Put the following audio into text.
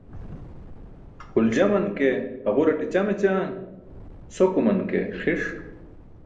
Huljaman ke haġuraṭe ćam ećaan, sokuman ke xi̇ṣ.